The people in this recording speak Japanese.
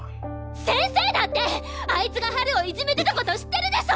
先生だってあいつがハルをいじめてたこと知ってるでしょ！？